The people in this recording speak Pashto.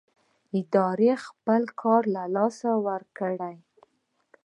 اداره به خپل کار له لاسه ورکړي.